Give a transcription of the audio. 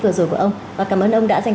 vừa rồi của ông và cảm ơn ông đã dành